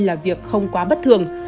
là việc không quá bất thường